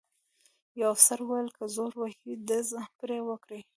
یوه افسر وویل: که زور وهي ډز پرې وکړئ.